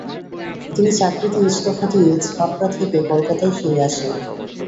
তিনি চাকরিতে ইস্তফা দিয়ে ছাপরা থেকে কলকাতায় ফিরে আসেন।